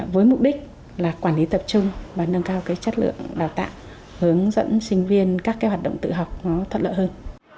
với mục đích là quản lý tập trung và nâng cao cái chất lượng đào tạo hướng dẫn sinh viên các cái hoạt động tự học nó thuận lợi hơn